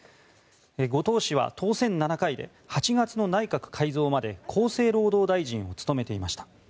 後藤氏は当選７回で８月の内閣改造まで厚生労働大臣を務めていました。